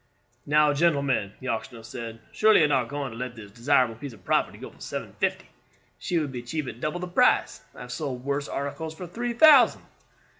"Now, gentlemen," the auctioneer said, "surely you are not going to let this desirable piece of property go for seven fifty? She would be cheap at double the price. I have sold worse articles for three thousand."